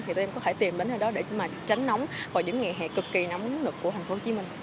thì tụi em có thể tìm đến nơi đó để mà tránh nóng vào những ngày hè cực kỳ nóng nực của thành phố hồ chí minh